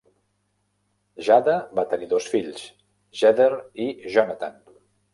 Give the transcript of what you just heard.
Jada va tenir dos fills, Jether i Jonathan.